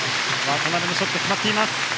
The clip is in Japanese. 渡辺のショットが決まっています。